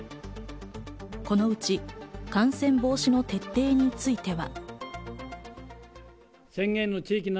このうち感染防止の徹底については。